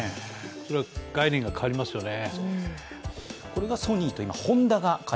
それは概念が変わりますよね。